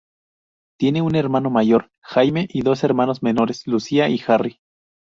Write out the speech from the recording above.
Tiene un hermano mayor, Jamie, y dos hermanos menores, Lucia y Harry.